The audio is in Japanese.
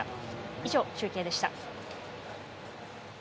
以上、中継でした。